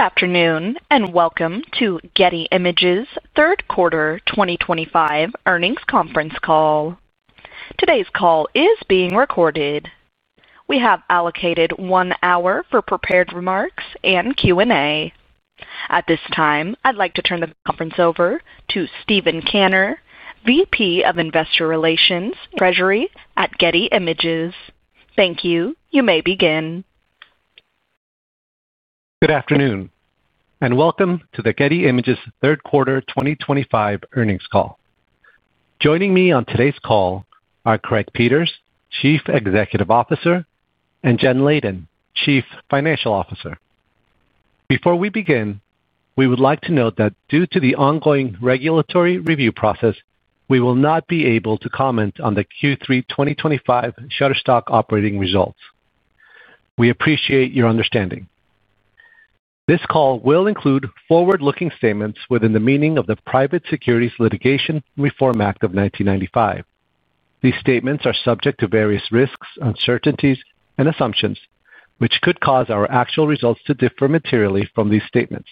Good afternoon and welcome to Getty Images' third quarter 2025 earnings conference call. Today's call is being recorded. We have allocated one hour for prepared remarks and Q&A. At this time, I'd like to turn the conference over to Steven Kanner, VP of Investor Relations and Treasury at Getty Images. Thank you. You may begin. Good afternoon and welcome to the Getty Images' third quarter 2025 earnings call. Joining me on today's call are Craig Peters, Chief Executive Officer, and Jen Leyden, Chief Financial Officer. Before we begin, we would like to note that due to the ongoing regulatory review process, we will not be able to comment on the Q3 2025 Shutterstock operating results. We appreciate your understanding. This call will include forward-looking statements within the meaning of the Private Securities Litigation Reform Act of 1995. These statements are subject to various risks, uncertainties, and assumptions, which could cause our actual results to differ materially from these statements.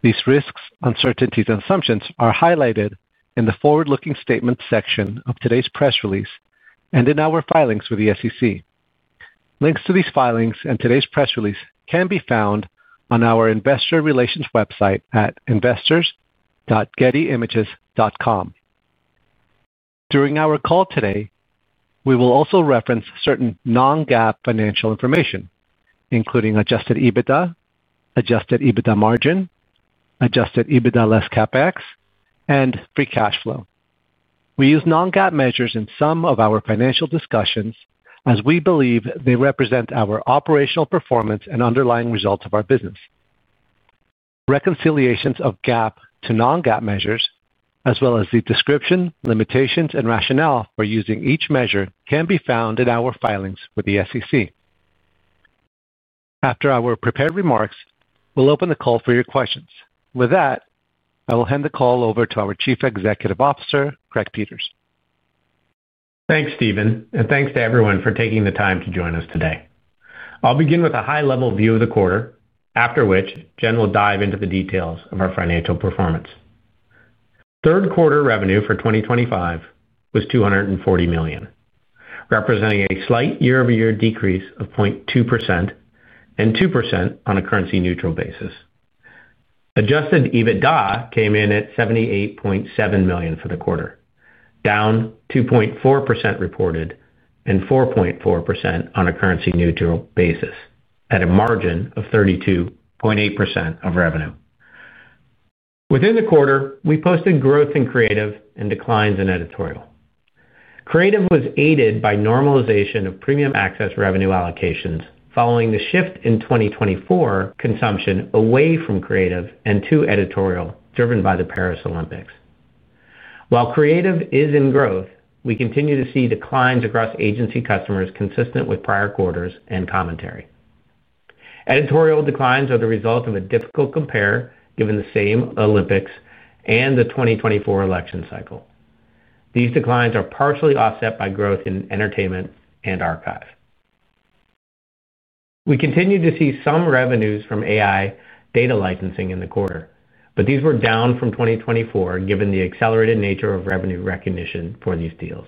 These risks, uncertainties, and assumptions are highlighted in the forward-looking statements section of today's press release and in our filings for the SEC. Links to these filings and today's press release can be found on our investor relations website at investors.gettyimages.com. During our call today, we will also reference certain non-GAAP financial information, including adjusted EBITDA, adjusted EBITDA margin, adjusted EBITDA less CapEx, and free cash flow. We use non-GAAP measures in some of our financial discussions as we believe they represent our operational performance and underlying results of our business. Reconciliations of GAAP to non-GAAP measures, as well as the description, limitations, and rationale for using each measure, can be found in our filings for the SEC. After our prepared remarks, we'll open the call for your questions. With that, I will hand the call over to our Chief Executive Officer, Craig Peters. Thanks, Steven, and thanks to everyone for taking the time to join us today. I'll begin with a high-level view of the quarter, after which Jen will dive into the details of our financial performance. Third quarter revenue for 2025 was $240 million, representing a slight year-over-year decrease of 0.2% and 2% on a currency-neutral basis. Adjusted EBITDA came in at $78.7 million for the quarter, down 2.4% reported and 4.4% on a currency-neutral basis, at a margin of 32.8% of revenue. Within the quarter, we posted growth in creative and declines in editorial. Creative was aided by normalization of Premium Access revenue allocations following the shift in 2024 consumption away from creative and to editorial driven by the Paris Olympics. While creative is in growth, we continue to see declines across agency customers consistent with prior quarters and commentary. Editorial declines are the result of a difficult compare given the same Olympics and the 2024 election cycle. These declines are partially offset by growth in entertainment and archive. We continue to see some revenues from AI data licensing in the quarter, but these were down from 2024 given the accelerated nature of revenue recognition for these deals.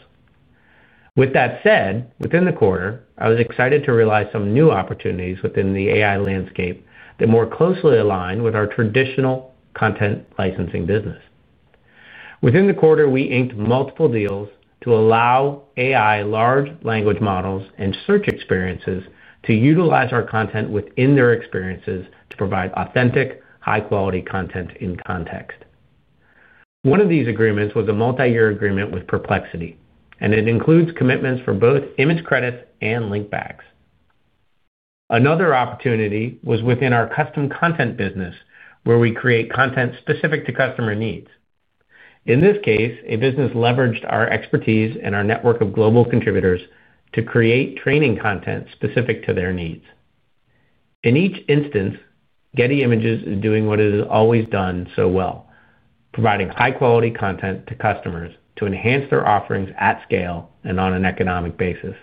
With that said, within the quarter, I was excited to realize some new opportunities within the AI landscape that more closely align with our traditional content licensing business. Within the quarter, we inked multiple deals to allow AI large language models and search experiences to utilize our content within their experiences to provide authentic, high-quality content in context. One of these agreements was a multi-year agreement with Perplexity, and it includes commitments for both image credits and linkbacks. Another opportunity was within our custom content business, where we create content specific to customer needs. In this case, a business leveraged our expertise and our network of global contributors to create training content specific to their needs. In each instance, Getty Images is doing what it has always done so well: providing high-quality content to customers to enhance their offerings at scale and on an economic basis.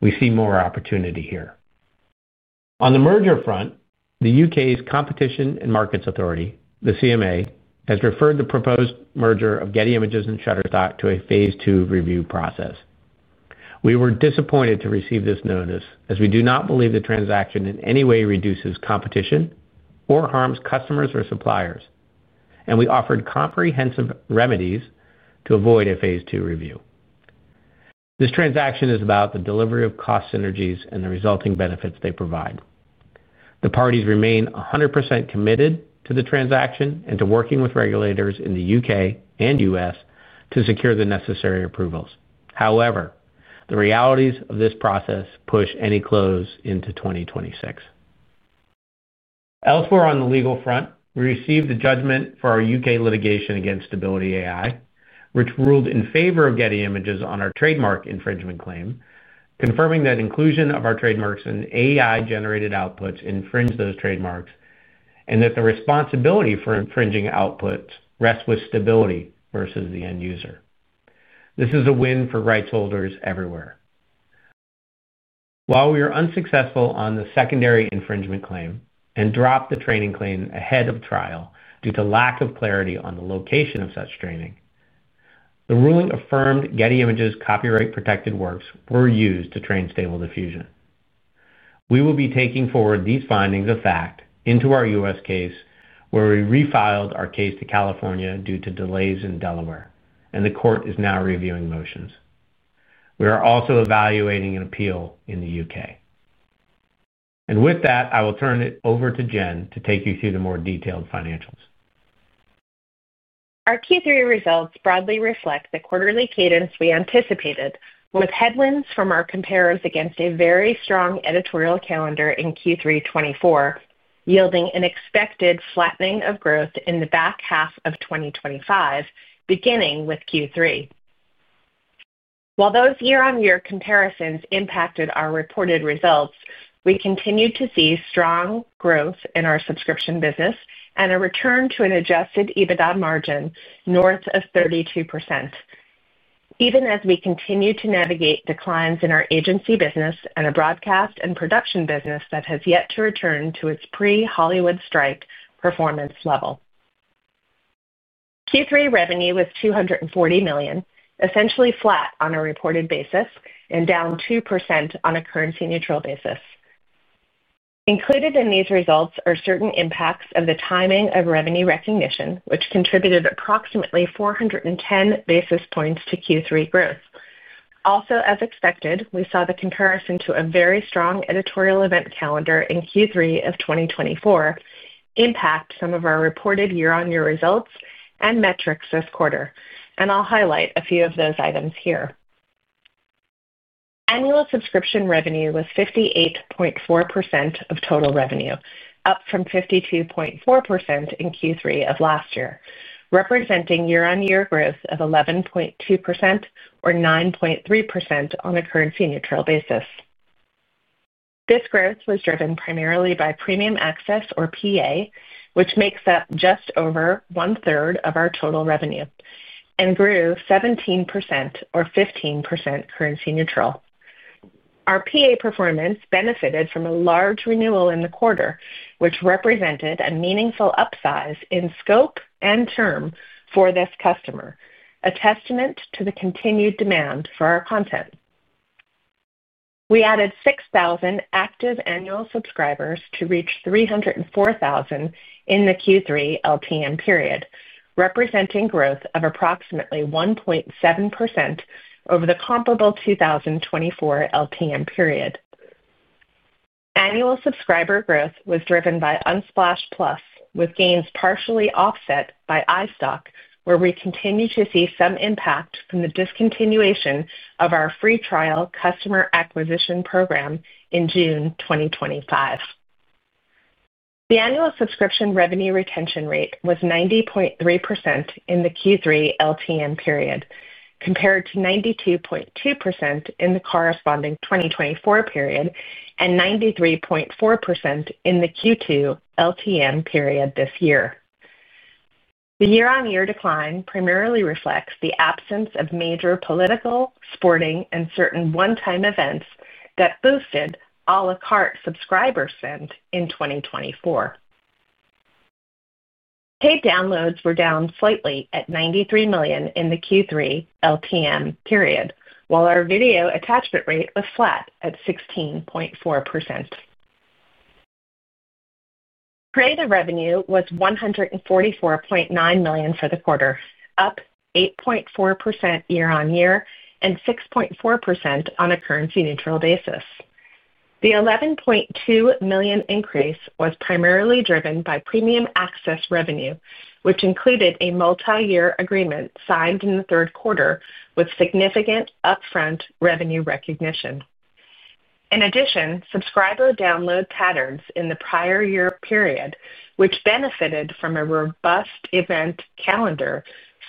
We see more opportunity here. On the merger front, the U.K.'s Competition and Markets Authority, the CMA, has referred the proposed merger of Getty Images and Shutterstock to a phase two review process. We were disappointed to receive this notice as we do not believe the transaction in any way reduces competition or harms customers or suppliers, and we offered comprehensive remedies to avoid a phase two review. This transaction is about the delivery of cost synergies and the resulting benefits they provide. The parties remain 100% committed to the transaction and to working with regulators in the U.K. and U.S. to secure the necessary approvals. However, the realities of this process push any close into 2026. Elsewhere on the legal front, we received the judgment for our U.K. litigation against Stability AI, which ruled in favor of Getty Images on our trademark infringement claim, confirming that inclusion of our trademarks in AI-generated outputs infringe those trademarks and that the responsibility for infringing outputs rests with Stability versus the end user. This is a win for rights holders everywhere. While we were unsuccessful on the secondary infringement claim and dropped the training claim ahead of trial due to lack of clarity on the location of such training, the ruling affirmed Getty Images' copyright-protected works were used to train Stable Diffusion. We will be taking forward these findings of fact into our U.S. case, where we refiled our case to California due to delays in Delaware, and the court is now reviewing motions. We are also evaluating an appeal in the U.K. With that, I will turn it over to Jen to take you through the more detailed financials. Our Q3 results broadly reflect the quarterly cadence we anticipated, with headwinds from our comparers against a very strong editorial calendar in Q3 2024, yielding an expected flattening of growth in the back half of 2025, beginning with Q3. While those year-on-year comparisons impacted our reported results, we continued to see strong growth in our subscription business and a return to an adjusted EBITDA margin north of 32%, even as we continue to navigate declines in our agency business and a broadcast and production business that has yet to return to its pre-Hollywood strike performance level. Q3 revenue was $240 million, essentially flat on a reported basis and down 2% on a currency-neutral basis. Included in these results are certain impacts of the timing of revenue recognition, which contributed approximately 410 basis points to Q3 growth. Also, as expected, we saw the comparison to a very strong editorial event calendar in Q3 of 2024 impact some of our reported year-on-year results and metrics this quarter, and I'll highlight a few of those items here. Annual subscription revenue was 58.4% of total revenue, up from 52.4% in Q3 of last year, representing year-on-year growth of 11.2% or 9.3% on a currency-neutral basis. This growth was driven primarily by Premium Access, or PA, which makes up just over one-third of our total revenue, and grew 17% or 15% currency-neutral. Our PA performance benefited from a large renewal in the quarter, which represented a meaningful upsize in scope and term for this customer, a testament to the continued demand for our content. We added 6,000 active annual subscribers to reach 304,000 in the Q3 LTM period, representing growth of approximately 1.7% over the comparable 2024 LTM period. Annual subscriber growth was driven by Unsplash Plus, with gains partially offset by iStock, where we continue to see some impact from the discontinuation of our free trial customer acquisition program in June 2025. The annual subscription revenue retention rate was 90.3% in the Q3 LTM period, compared to 92.2% in the corresponding 2024 period and 93.4% in the Q2 LTM period this year. The year-on-year decline primarily reflects the absence of major political, sporting, and certain one-time events that boosted à la carte subscriber spend in 2024. Paid downloads were down slightly at 93 million in the Q3 LTM period, while our video attachment rate was flat at 16.4%. Creative revenue was $144.9 million for the quarter, up 8.4% year-on-year and 6.4% on a currency-neutral basis. The $11.2 million increase was primarily driven by Premium Access revenue, which included a multi-year agreement signed in the third quarter with significant upfront revenue recognition. In addition, subscriber download patterns in the prior year period, which benefited from a robust event calendar,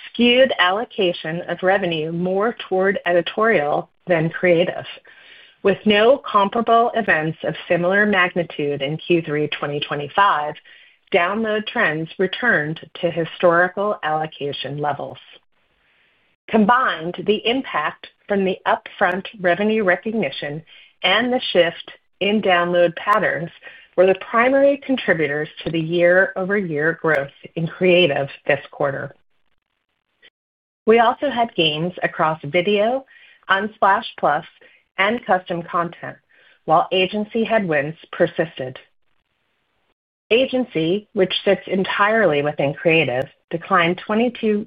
skewed allocation of revenue more toward editorial than creative. With no comparable events of similar magnitude in Q3 2025, download trends returned to historical allocation levels. Combined, the impact from the upfront revenue recognition and the shift in download patterns were the primary contributors to the year-over-year growth in creative this quarter. We also had gains across Video, Unsplash Plus, and custom content, while agency headwinds persisted. Agency, which sits entirely within creative, declined 22%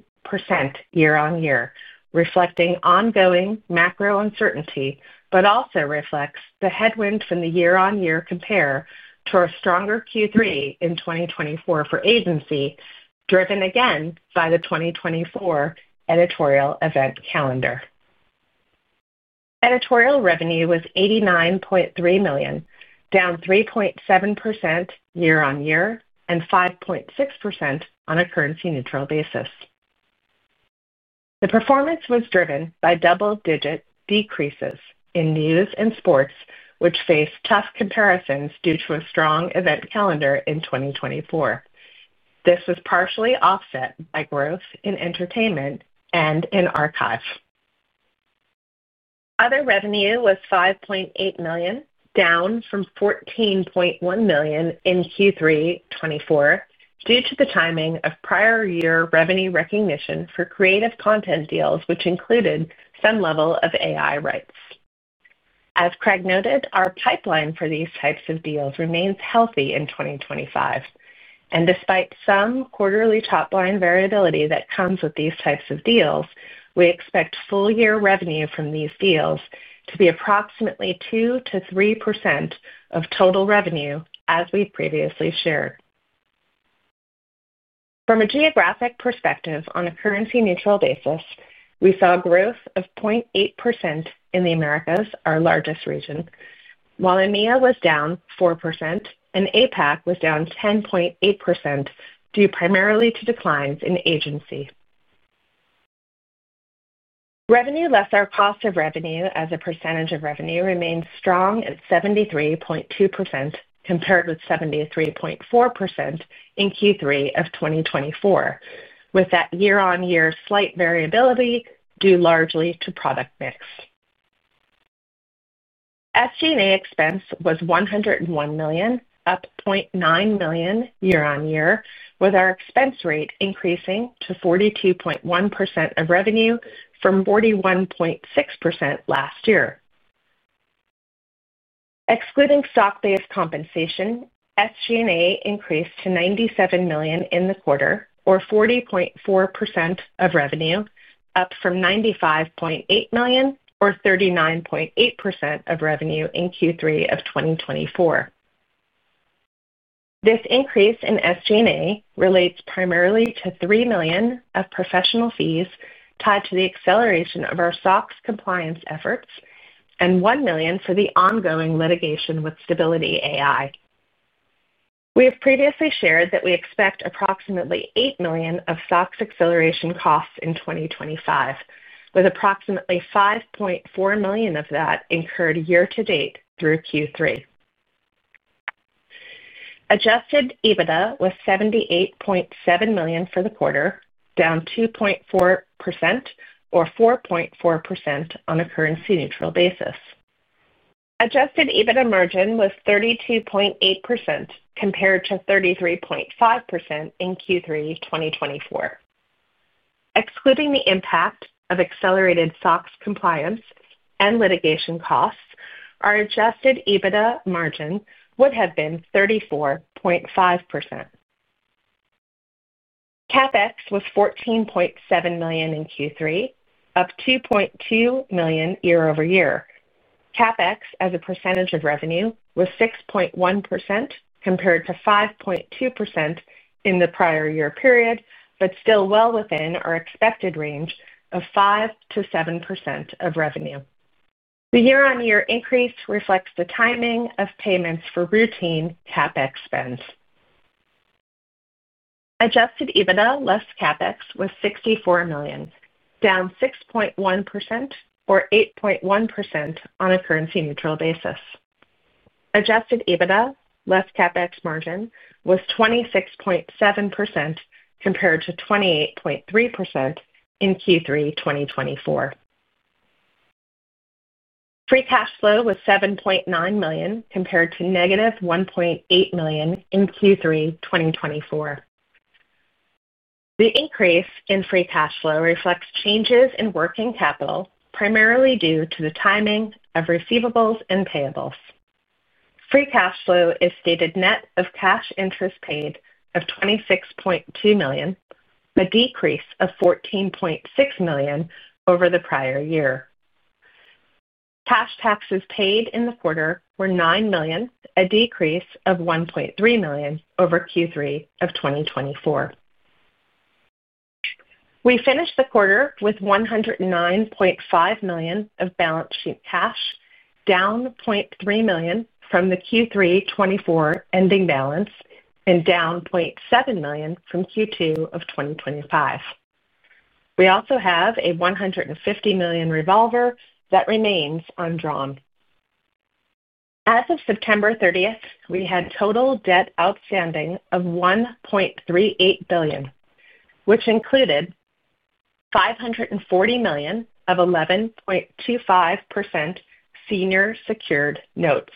year-on-year, reflecting ongoing macro uncertainty, but also reflects the headwind from the year-on-year compare to our stronger Q3 in 2024 for agency, driven again by the 2024 editorial event calendar. Editorial revenue was $89.3 million, down 3.7% year-on-year and 5.6% on a currency-neutral basis. The performance was driven by double-digit decreases in news and sports, which faced tough comparisons due to a strong event calendar in 2024. This was partially offset by growth in entertainment and in archive. Other revenue was $5.8 million, down from $14.1 million in Q3 2024 due to the timing of prior year revenue recognition for creative content deals, which included some level of AI rights. As Craig noted, our pipeline for these types of deals remains healthy in 2025, and despite some quarterly top-line variability that comes with these types of deals, we expect full-year revenue from these deals to be approximately 2%-3% of total revenue, as we previously shared. From a geographic perspective, on a currency-neutral basis, we saw growth of 0.8% in the Americas, our largest region, while EMEA was down 4% and APAC was down 10.8% due primarily to declines in agency. Revenue less our cost of revenue as a percentage of revenue remains strong at 73.2% compared with 73.4% in Q3 of 2024, with that year-on-year slight variability due largely to product mix. SG&A expense was $101 million, up $0.9 million year-on-year, with our expense rate increasing to 42.1% of revenue from 41.6% last year. Excluding stock-based compensation, SG&A increased to $97 million in the quarter, or 40.4% of revenue, up from $95.8 million or 39.8% of revenue in Q3 of 2024. This increase in SG&A relates primarily to $3 million of professional fees tied to the acceleration of our SOX compliance efforts and $1 million for the ongoing litigation with Stability AI. We have previously shared that we expect approximately $8 million of SOX acceleration costs in 2025, with approximately $5.4 million of that incurred year-to-date through Q3. Adjusted EBITDA was $78.7 million for the quarter, down 2.4% or 4.4% on a currency-neutral basis. Adjusted EBITDA margin was 32.8% compared to 33.5% in Q3 2024. Excluding the impact of accelerated SOX compliance and litigation costs, our adjusted EBITDA margin would have been 34.5%. CapEx was $14.7 million in Q3, up $2.2 million year-over-year. CapEx as a percentage of revenue was 6.1% compared to 5.2% in the prior year period, but still well within our expected range of 5%-7% of revenue. The year-on-year increase reflects the timing of payments for routine CapEx spends. Adjusted EBITDA less CapEx was $64 million, down 6.1% or 8.1% on a currency-neutral basis. Adjusted EBITDA less CapEx margin was 26.7% compared to 28.3% in Q3 2024. Free cash flow was $7.9 million compared to negative $1.8 million in Q3 2024. The increase in free cash flow reflects changes in working capital, primarily due to the timing of receivables and payables. Free cash flow is stated net of cash interest paid of $26.2 million, a decrease of $14.6 million over the prior year. Cash taxes paid in the quarter were $9 million, a decrease of $1.3 million over Q3 of 2024. We finished the quarter with $109.5 million of balance sheet cash, down $0.3 million from the Q3 2024 ending balance and down $0.7 million from Q2 of 2025. We also have a $150 million revolver that remains undrawn. As of September 30, we had total debt outstanding of $1.38 billion, which included $540 million of 11.25% senior secured notes,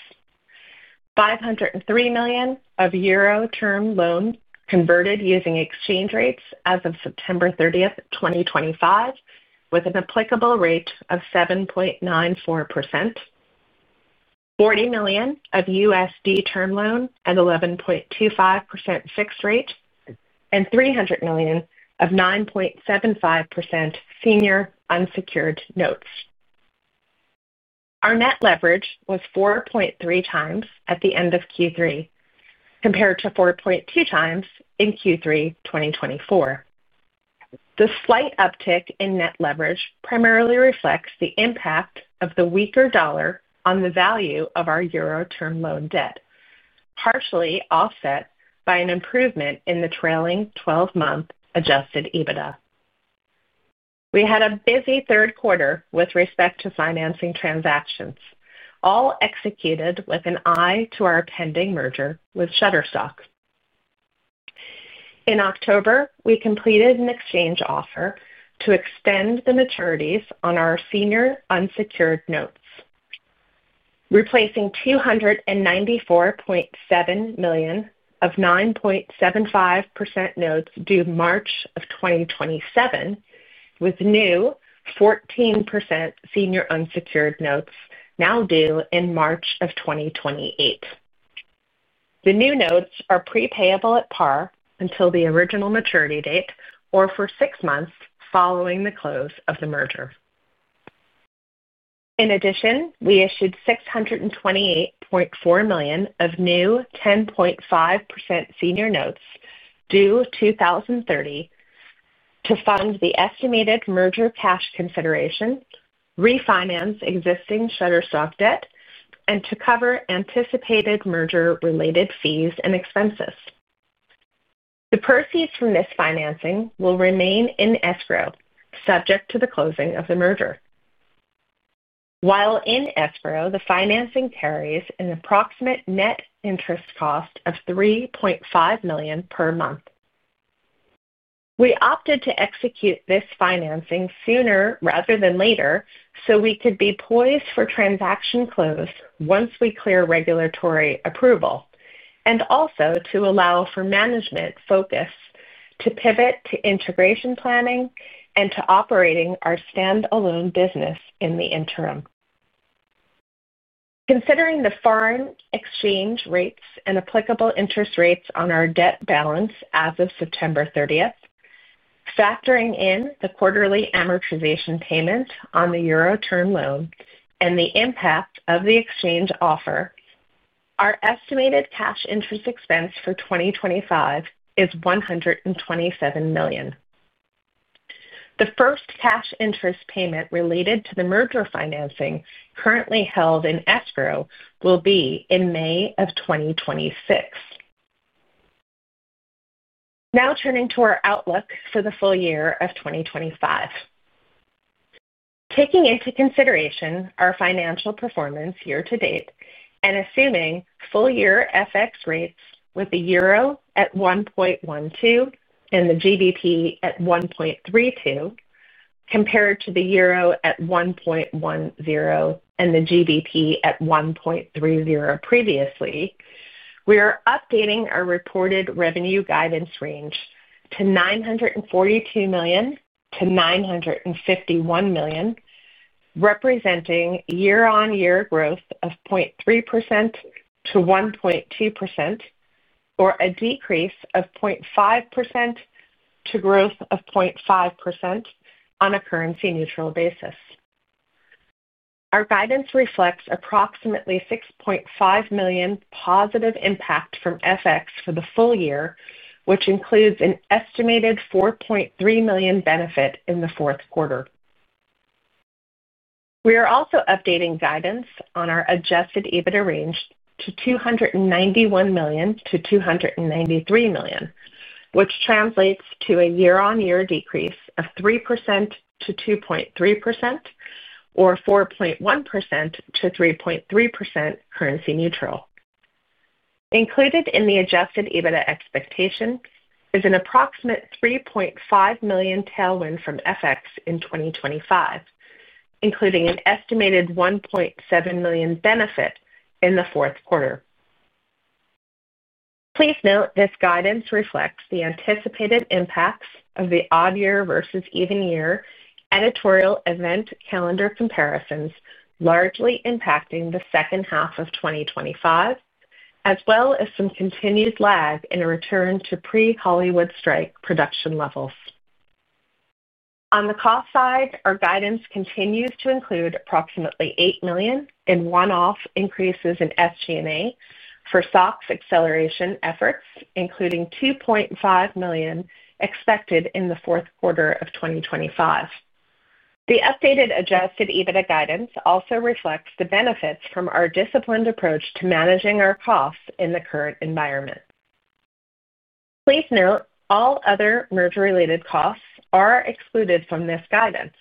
503 million of euro term loan converted using exchange rates as of September 30, 2025, with an applicable rate of 7.94%, $40 million of USD term loan at 11.25% fixed rate, and $300 million of 9.75% senior unsecured notes. Our net leverage was 4.3 times at the end of Q3, compared to 4.2 times in Q3 2024. The slight uptick in net leverage primarily reflects the impact of the weaker dollar on the value of our euro term loan debt, partially offset by an improvement in the trailing 12-month adjusted EBITDA. We had a busy third quarter with respect to financing transactions, all executed with an eye to our pending merger with Shutterstock. In October, we completed an exchange offer to extend the maturities on our senior unsecured notes, replacing $294.7 million of 9.75% notes due March of 2027, with new 14% senior unsecured notes now due in March of 2028. The new notes are prepayable at par until the original maturity date or for six months following the close of the merger. In addition, we issued $628.4 million of new 10.5% senior notes due 2030 to fund the estimated merger cash consideration, refinance existing Shutterstock debt, and to cover anticipated merger-related fees and expenses. The proceeds from this financing will remain in escrow, subject to the closing of the merger. While in escrow, the financing carries an approximate net interest cost of $3.5 million per month. We opted to execute this financing sooner rather than later so we could be poised for transaction close once we clear regulatory approval, and also to allow for management focus to pivot to integration planning and to operating our standalone business in the interim. Considering the foreign exchange rates and applicable interest rates on our debt balance as of September 30, factoring in the quarterly amortization payment on the euro term loan and the impact of the exchange offer, our estimated cash interest expense for 2025 is $127 million. The first cash interest payment related to the merger financing currently held in escrow will be in May of 2026. Now turning to our outlook for the full year of 2025. Taking into consideration our financial performance year-to-date and assuming full-year FX rates with the euro at 1.12 and the GBP at 1.32 GBP compared to the euro at 1.10 and the GBP at 1.30 GBP previously, we are updating our reported revenue guidance range to $942 million-$951 million, representing year-on-year growth of 0.3%-1.2%, or a decrease of 0.5% to growth of 0.5% on a currency-neutral basis. Our guidance reflects approximately $6.5 million positive impact from FX for the full year, which includes an estimated $4.3 million benefit in the fourth quarter. We are also updating guidance on our adjusted EBITDA range to $291 million-$293 million, which translates to a year-on-year decrease of 3%-2.3% or 4.1%-3.3% currency neutral. Included in the adjusted EBITDA expectation is an approximate $3.5 million tailwind from FX in 2025, including an estimated $1.7 million benefit in the fourth quarter. Please note this guidance reflects the anticipated impacts of the odd year versus even year editorial event calendar comparisons largely impacting the second half of 2025, as well as some continued lag in a return to pre-Hollywood strike production levels. On the cost side, our guidance continues to include approximately $8 million in one-off increases in SG&A for SOX acceleration efforts, including $2.5 million expected in the fourth quarter of 2025. The updated adjusted EBITDA guidance also reflects the benefits from our disciplined approach to managing our costs in the current environment. Please note all other merger-related costs are excluded from this guidance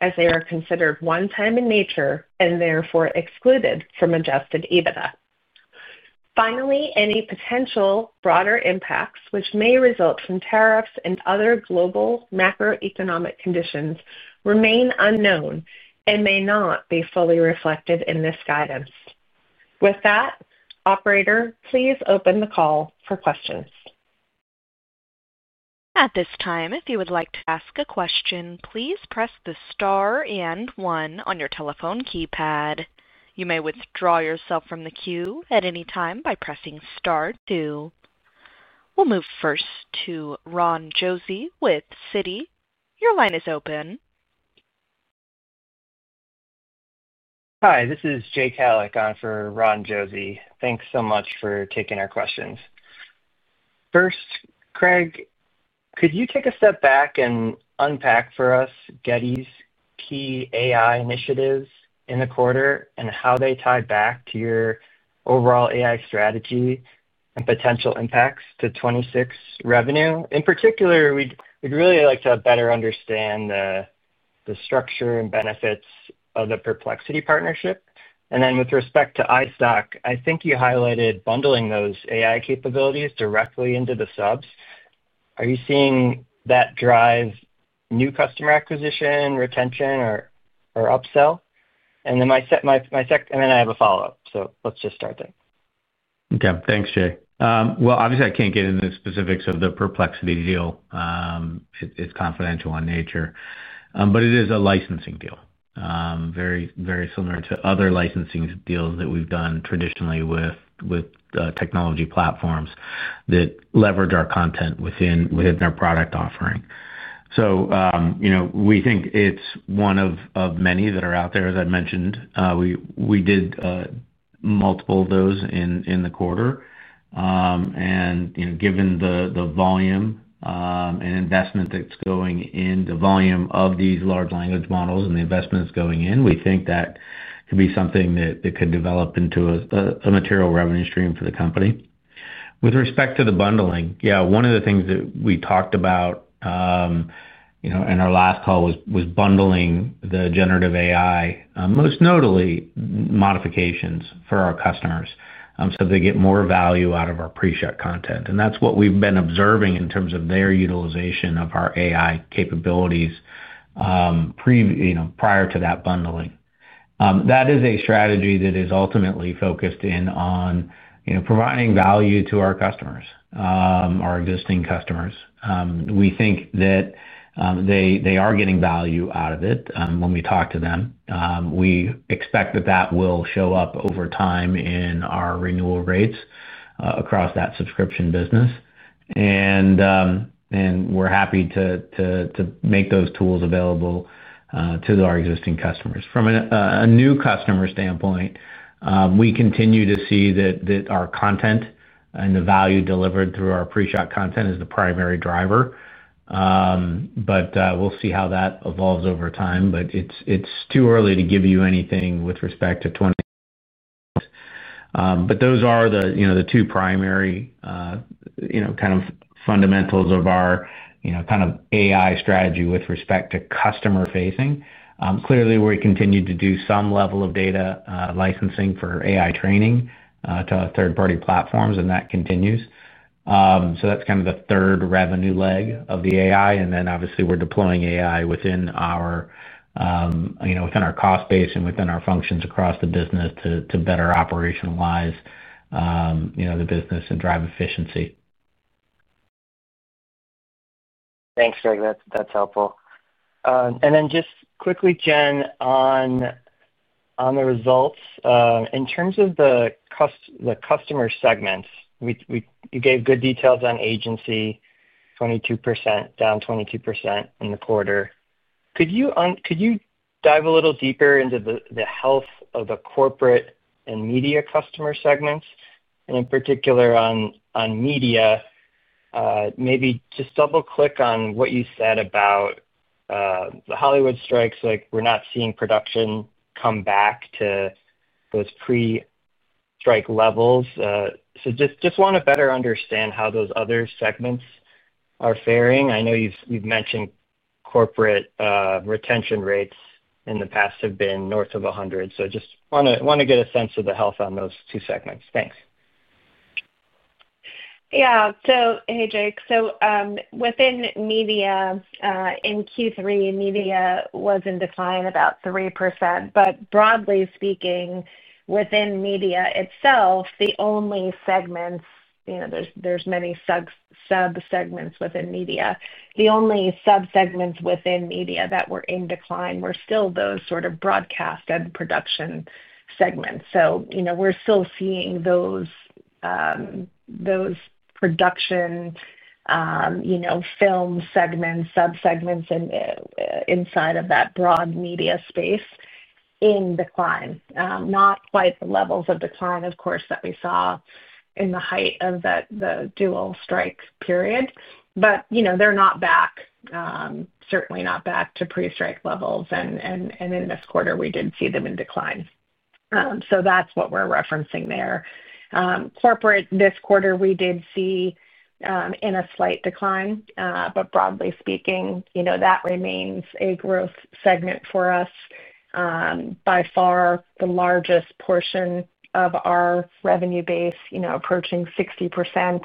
as they are considered one-time in nature and therefore excluded from adjusted EBITDA. Finally, any potential broader impacts, which may result from tariffs and other global macroeconomic conditions, remain unknown and may not be fully reflected in this guidance. With that, operator, please open the call for questions. At this time, if you would like to ask a question, please press the star and one on your telephone keypad. You may withdraw yourself from the queue at any time by pressing star two. We'll move first to Ron Josie with CITI. Your line is open. Hi, this is Jay Keller, going for Ron Josie. Thanks so much for taking our questions. First, Craig, could you take a step back and unpack for us Getty's key AI initiatives in the quarter and how they tie back to your overall AI strategy and potential impacts to 2026 revenue? In particular, we'd really like to better understand the structure and benefits of the Perplexity partnership. With respect to iStock, I think you highlighted bundling those AI capabilities directly into the subs. Are you seeing that drive new customer acquisition, retention, or upsell? I have a follow-up, so let's just start there. Okay. Thanks, Jay. Obviously, I can't get into the specifics of the Perplexity deal. It's confidential in nature, but it is a licensing deal, very similar to other licensing deals that we've done traditionally with technology platforms that leverage our content within our product offering. We think it's one of many that are out there, as I mentioned. We did multiple of those in the quarter. Given the volume and investment that is going in, the volume of these large language models and the investment that is going in, we think that could be something that could develop into a material revenue stream for the company. With respect to the bundling, yeah, one of the things that we talked about in our last call was bundling the generative AI, most notably modifications for our customers so they get more value out of our pre-shot content. That is what we have been observing in terms of their utilization of our AI capabilities prior to that bundling. That is a strategy that is ultimately focused in on providing value to our customers, our existing customers. We think that they are getting value out of it when we talk to them. We expect that that will show up over time in our renewal rates across that subscription business. We are happy to make those tools available to our existing customers. From a new customer standpoint, we continue to see that our content and the value delivered through our pre-shot content is the primary driver. We will see how that evolves over time. It is too early to give you anything with respect to 2026. Those are the two primary fundamentals of our kind of AI strategy with respect to customer facing. Clearly, we continue to do some level of data licensing for AI training to third-party platforms, and that continues. That is the third revenue leg of the AI. Obviously, we are deploying AI within our cost base and within our functions across the business to better operationalize the business and drive efficiency. Thanks, Craig. That is helpful. And then just quickly, Jen, on the results, in terms of the customer segments, you gave good details on agency, 22%, down 22% in the quarter. Could you dive a little deeper into the health of the corporate and media customer segments? In particular, on media, maybe just double-click on what you said about the Hollywood strikes, like we're not seeing production come back to those pre-strike levels. Just want to better understand how those other segments are faring. I know you've mentioned corporate retention rates in the past have been north of 100. Just want to get a sense of the health on those two segments. Thanks. Yeah. Hey, Jay. Within media, in Q3, media was in decline about 3%. Broadly speaking, within media itself, the only segments—there are many sub-segments within media—the only sub-segments within media that were in decline were still those sort of broadcast and production segments. We are still seeing those production film segments, sub-segments inside of that broad media space in decline. Not quite the levels of decline, of course, that we saw in the height of the dual strike period, but they are not back, certainly not back to pre-strike levels. In this quarter, we did see them in decline. That is what we are referencing there. Corporate, this quarter, we did see a slight decline, but broadly speaking, that remains a growth segment for us. By far, the largest portion of our revenue base, approaching 60%,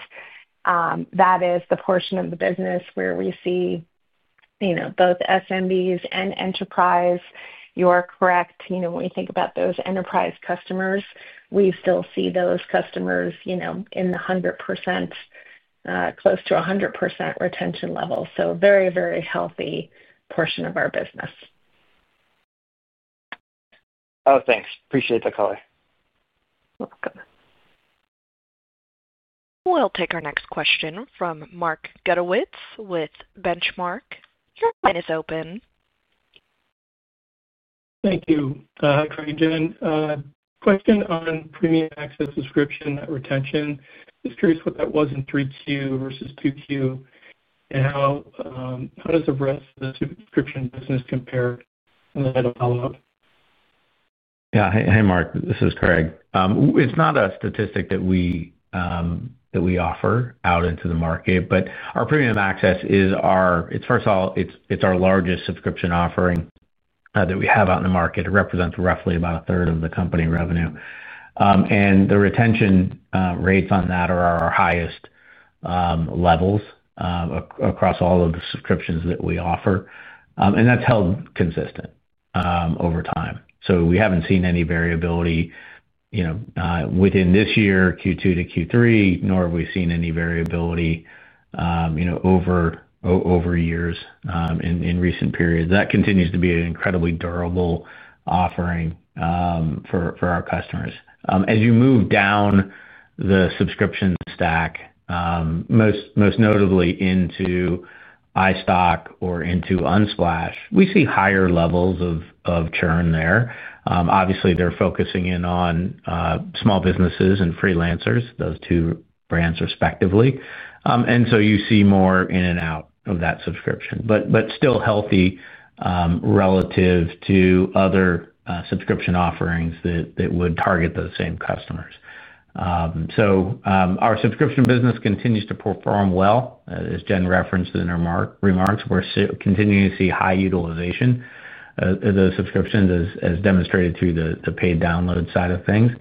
that is the portion of the business where we see both SMBs and enterprise. You are correct. When we think about those enterprise customers, we still see those customers in the 100%, close to 100% retention level. So very, very healthy portion of our business. Oh, thanks. Appreciate the color. Welcome. We'll take our next question from Mark Gettowitz with Benchmark. Your line is open. Thank you, Craig Jen. Question on premium access subscription retention. Just curious what that was in 3Q versus 2Q, and how does the rest of the subscription business compare? And then follow-up. Yeah. Hey, Mark. This is Craig. It's not a statistic that we offer out into the market, but our premium access is our—it's first of all, it's our largest subscription offering that we have out in the market. It represents roughly about a third of the company revenue. And the retention rates on that are our highest levels across all of the subscriptions that we offer. That has held consistent over time. We have not seen any variability within this year, Q2 to Q3, nor have we seen any variability over years in recent periods. That continues to be an incredibly durable offering for our customers. As you move down the subscription stack, most notably into iStock or into Unsplash, we see higher levels of churn there. Obviously, they are focusing in on small businesses and freelancers, those two brands respectively. You see more in and out of that subscription, but still healthy relative to other subscription offerings that would target those same customers. Our subscription business continues to perform well. As Jen referenced in her remarks, we are continuing to see high utilization of those subscriptions, as demonstrated through the paid download side of things.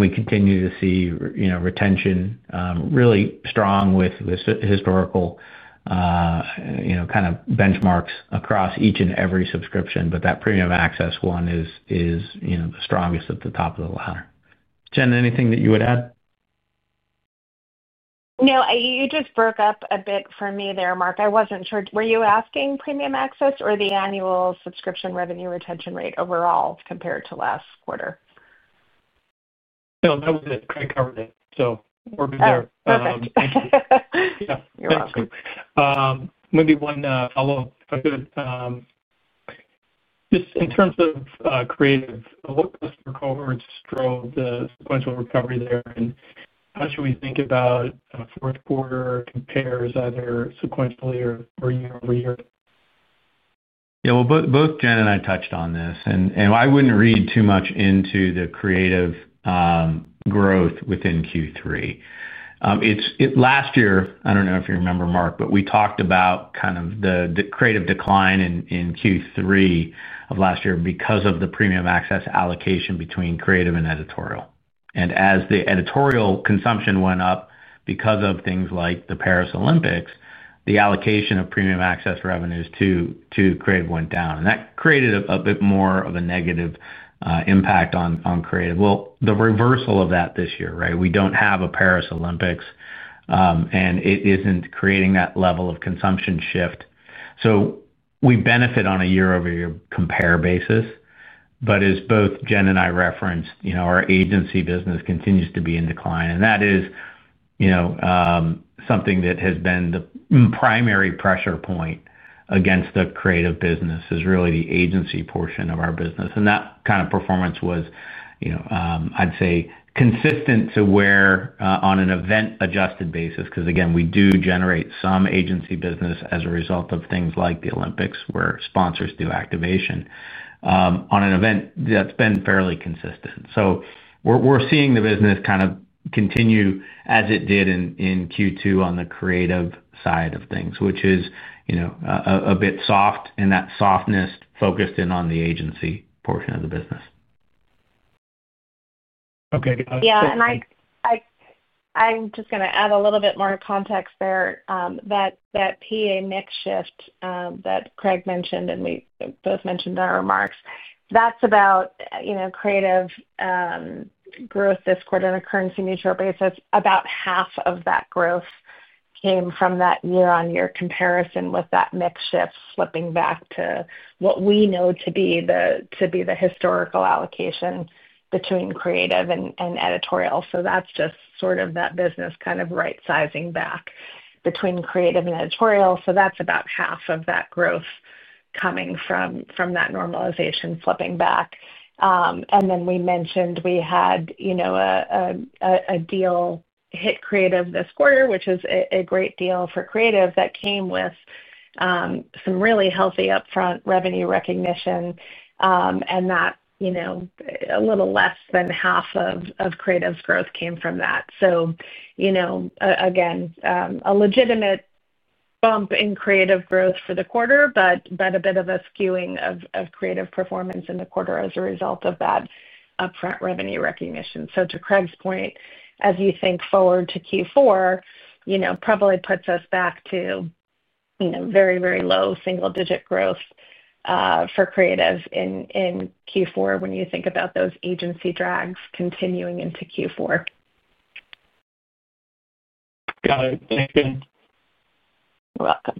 We continue to see retention really strong with historical kind of benchmarks across each and every subscription, but that Premium Access one is the strongest at the top of the ladder. Jen, anything that you would add? No, you just broke up a bit for me there, Mark. I was not sure. Were you asking Premium Access or the annual subscription revenue retention rate overall compared to last quarter? No, that was it. Craig covered it. We are good there. Thank you. Yeah. You are welcome. Thank you. Maybe one follow-up. Just in terms of creative, what customer cohorts drove the sequential recovery there, and how should we think about fourth quarter compares either sequentially or year-over-year? Yeah. Both Jen and I touched on this, and I would not read too much into the creative growth within Q3. Last year, I don't know if you remember, Mark, but we talked about kind of the creative decline in Q3 of last year because of the Premium Access allocation between creative and editorial. As the editorial consumption went up because of things like the Paris Olympics, the allocation of Premium Access revenues to creative went down. That created a bit more of a negative impact on creative. The reversal of that this year, right? We don't have a Paris Olympics, and it isn't creating that level of consumption shift. We benefit on a year-over-year compare basis, but as both Jen and I referenced, our agency business continues to be in decline. That is something that has been the primary pressure point against the creative business, is really the agency portion of our business. That kind of performance was, I'd say, consistent to where on an event-adjusted basis, because again, we do generate some agency business as a result of things like the Olympics where sponsors do activation. On an event, that's been fairly consistent. We are seeing the business kind of continue as it did in Q2 on the creative side of things, which is a bit soft, and that softness focused in on the agency portion of the business. Okay. Yeah. I am just going to add a little bit more context there. That PA mix shift that Craig mentioned, and we both mentioned in our remarks, that's about creative growth this quarter on a currency neutral basis. About half of that growth came from that year-on-year comparison with that mix shift slipping back to what we know to be the historical allocation between creative and editorial. That's just sort of that business kind of right-sizing back between creative and editorial. That's about half of that growth coming from that normalization slipping back. We mentioned we had a deal hit creative this quarter, which is a great deal for creative that came with some really healthy upfront revenue recognition, and a little less than half of creative's growth came from that. Again, a legitimate bump in creative growth for the quarter, but a bit of a skewing of creative performance in the quarter as a result of that upfront revenue recognition. To Craig's point, as you think forward to Q4, it probably puts us back to very, very low single-digit growth for creative in Q4 when you think about those agency drags continuing into Q4. Got it. Thank you. You're welcome.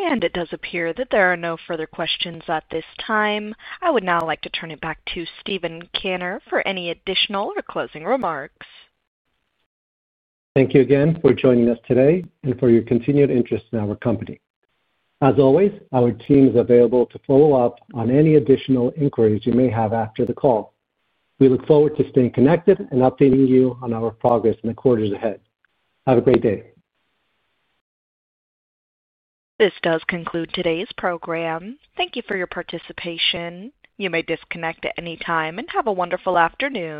It does appear that there are no further questions at this time. I would now like to turn it back to Steven Kanner for any additional or closing remarks. Thank you again for joining us today and for your continued interest in our company. As always, our team is available to follow up on any additional inquiries you may have after the call. We look forward to staying connected and updating you on our progress in the quarters ahead. Have a great day. This does conclude today's program. Thank you for your participation. You may disconnect at any time and have a wonderful afternoon.